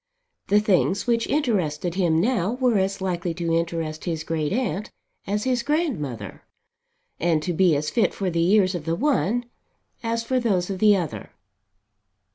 The things which interested him now were as likely to interest his great aunt as his grandmother, and to be as fit for the ears of the one as for those of the other.